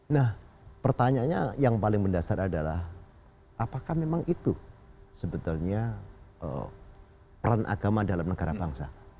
nah pertanyaannya yang paling mendasar adalah apakah memang itu sebetulnya peran agama dalam negara bangsa